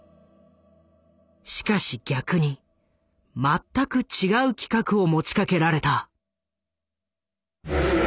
しかし逆に全く違う企画を持ちかけられた。